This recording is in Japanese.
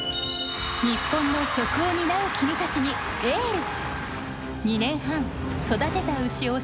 日本の食を担う君たちにエール。